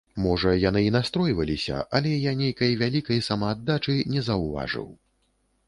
Можа, яны і настройваліся, але я нейкай вялікай самааддачы не заўважыў.